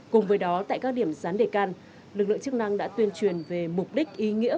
cùng với đó tại các điểm gián đề can lực lượng chức năng đã tuyên truyền về mục đích ý nghĩa